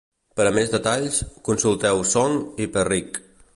Per a més detalls, consulteu Song i Perrig.